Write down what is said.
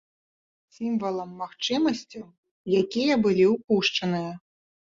Сімвалам магчымасцяў, якія былі ўпушчаныя.